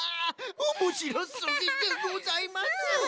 おもしろすぎでございます！